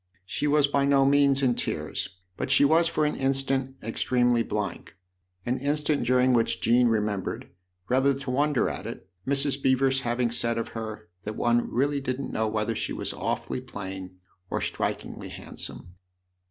She was by no means in tears ; but she was for an instant extremely blank, an instant during which Jean remembered, rather to wonder at it, Mrs. Beever's having said of her that one really didn't know whether she was awfully plain or strikingly handsome.